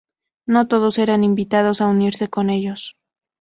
No todos eran invitados a unirse con ellos.